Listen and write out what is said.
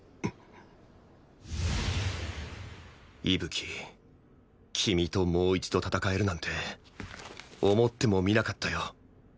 伊吹君ともう一度戦えるなんて思ってもみなかったよ